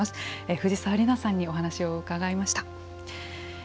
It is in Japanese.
藤沢里菜さんにお話を伺いました。